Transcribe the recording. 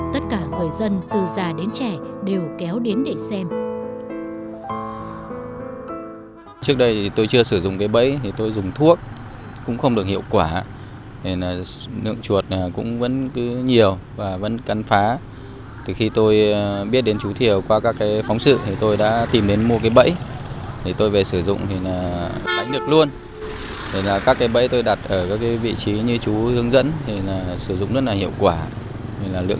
tất cả người dân từ già đến trẻ đều kéo đến để xem